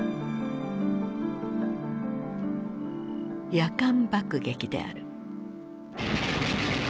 夜間爆撃である。